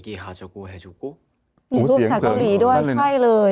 พูดภาษาเกรียดเก่งเลย